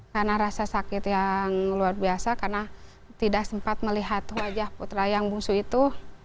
karena rasa sakit yang luar biasa karena tidak sempat melihat wajah putra yang bungsu itu